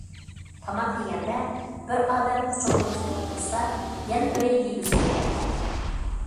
تاماق يېگەندە، بىر ئادەم قۇچىقىدا تۇتۇپ تۇرسا، يەنە بىرى يېگۈزىدىكەن.